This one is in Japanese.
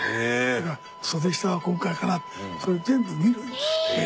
それから「袖下はこのくらいかな」。それ全部見るんです。